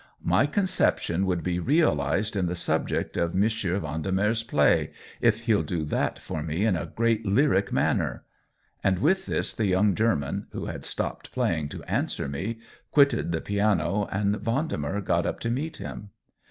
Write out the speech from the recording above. " My conception would be realized in the subject of M. Vendemer's play — if he'll do that for me in a great lyric manner !" And with this the young German, who had stopped playing to answer me, quitted the piano, and Vendemer got up to meet him.